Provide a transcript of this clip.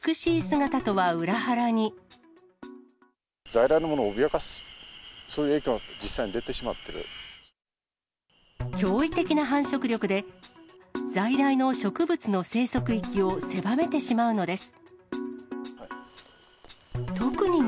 在来のものを脅かす、そうい驚異的な繁殖力で、在来の植物の生息域を狭めてしまうのです。